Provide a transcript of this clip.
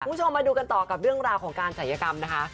คุณผู้ชมมาดูกันต่อกับเรื่องราวของการศัยกรรมนะคะ